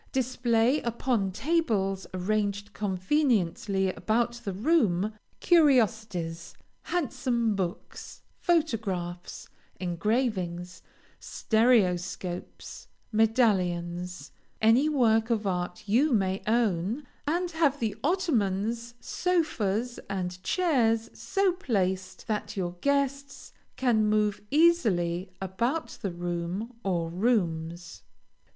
Display upon tables arranged conveniently about the room, curiosities, handsome books, photographs, engravings, stereoscopes, medallions, any works of art you may own, and have the ottomans, sofas, and chairs so placed that your guests can move easily about the room, or rooms.